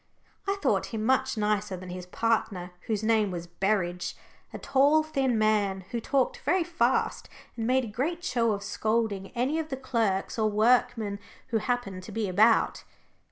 I thought him much nicer than his partner, whose name was Berridge, a tall, thin man, who talked very fast, and made a great show of scolding any of the clerks or workmen who happened to be about.